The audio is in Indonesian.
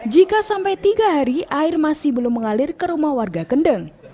jika sampai tiga hari air masih belum mengalir ke rumah warga kendeng